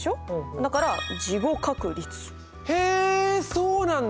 だからへえそうなんだ！